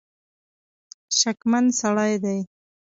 شکمن سړي دي.